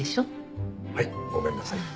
はいごめんなさい。